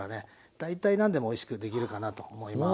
大体何でもおいしくできるかなと思います。